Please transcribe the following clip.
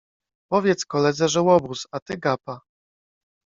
Powiedz koledze, że łobuz, a ty gapa.